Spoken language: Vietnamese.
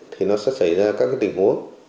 thì nó sẽ xảy ra các tình huống